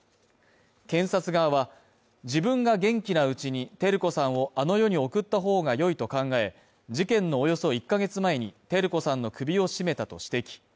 検察側は、自分が元気なうちに照子さんをあの世に送った方が良いと考え、事件のおよそ１ヶ月前に照子さんの首を絞めたと指摘。